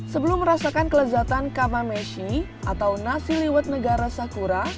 sebelum merasakan kelezatan kamameshi atau nasi liwet negara sakura